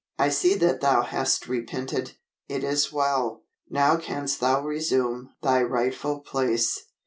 I see that thou hast repented. It is well. Now canst thou resume thy rightful place."